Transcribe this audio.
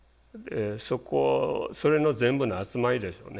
そこそれの全部の集まりでしょうね。